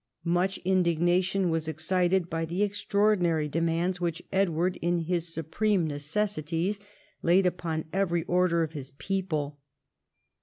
Much indignation was excited by the extraordinary demands which Edward in his supreme necessities laid upon every order of his people.